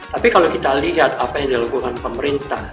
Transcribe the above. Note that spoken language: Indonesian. tapi kalau kita lihat apa yang dilakukan pemerintah